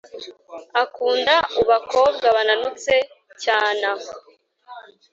akunda ubakobwa bananutse cyana